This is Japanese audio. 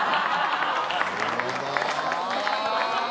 なるほど。